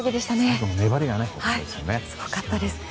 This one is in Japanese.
最後の粘りがすごかったですね。